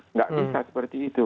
nggak bisa seperti itu